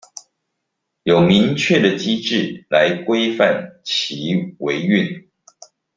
有明確的機制來規範其維運